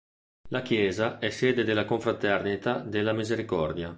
La chiesa è sede della confraternita della Misericordia.